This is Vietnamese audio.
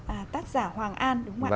à tác giả hoàng an đúng không ạ